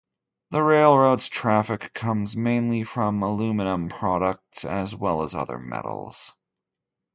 The railroad's traffic comes mainly from aluminum products, as well as other metals.